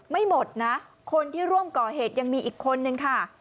ไม่หมดนะคนที่ร่วมก่อเหตุยังมีอีกคนนึงค่ะ